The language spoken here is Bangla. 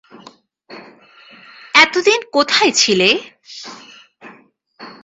এতদিন কোথায় ছিলে?